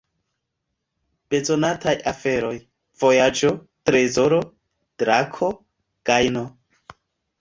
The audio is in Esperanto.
Bezonataj aferoj: vojaĝo, trezoro, drako, gajno.